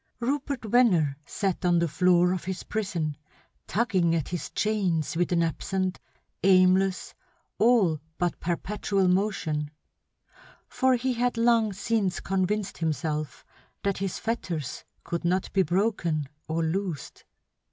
Rupert Venner sat on the floor of his prison, tugging at his chains with an absent, aimless, all but perpetual motion; for he had long since convinced himself that his fetters could not be broken or loosed.